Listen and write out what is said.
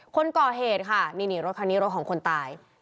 คนก่อเหตุค่ะนี่รถคันนี้รถของคนตาย